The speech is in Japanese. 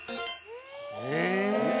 え？